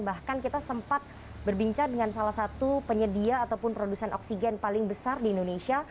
bahkan kita sempat berbincang dengan salah satu penyedia ataupun produsen oksigen paling besar di indonesia